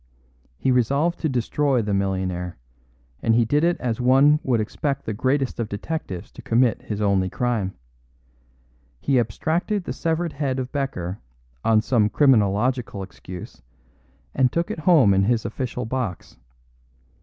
He resolved to destroy the millionaire, and he did it as one would expect the greatest of detectives to commit his only crime. He abstracted the severed head of Becker on some criminological excuse, and took it home in his official box.